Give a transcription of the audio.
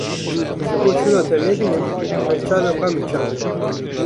Ji bo çûna te nebînim, min çavên xwe miçandin.